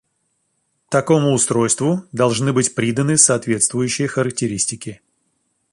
Такому устройству должны быть приданы соответствующие характеристики.